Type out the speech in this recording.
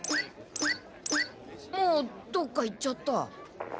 もうどっか行っちゃった。